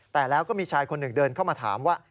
แต่แล้วก็มีชายคนหนึ่งเดินเข้ามาถามว่า